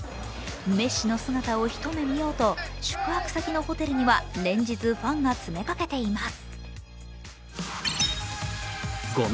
メッシの姿をひと目見ようと宿泊先のホテルには連日、ファンが詰めかけています。